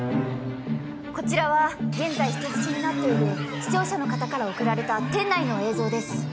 こちらは現在人質になっている視聴者の方から送られた店内の映像です